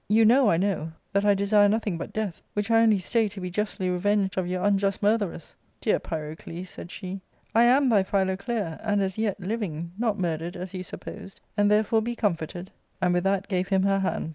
You know, I know, that I desire nothing but death, which I only stay to be justly revenged of your unjust murtherers." "Dear Pyrocles," said she, " I am thy Philoclea, and, as yet, living, not mur dered, as you supposed, and therefore be comforted ;" and with that gave him her hand.